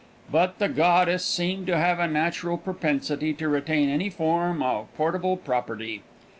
But the goddess seemed to have a natural propensity to retain any form of portable property.